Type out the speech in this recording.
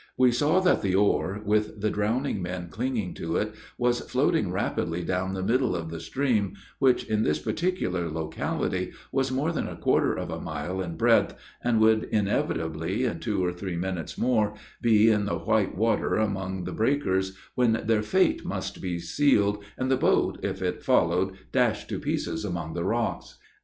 We saw that the oar, with the drowning men clinging to it, was floating rapidly down the middle of the stream, which, in this particular locality, is more than a quarter of a mile in breadth, and would inevitably, in two or three minutes more, be in the white water among the breakers, when their fate must be sealed, and the boat, if it followed, dashed to pieces among the rocks.